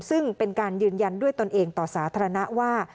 ซึ่งเป็นการยืนยันด้วยตนเองต่อสาธารณะว่า